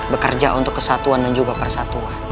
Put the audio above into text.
bekerja untuk kesatuan dan juga persatuan